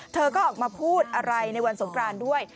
เธอก็ออกมาพูดอะไรในวันสงครานด้วย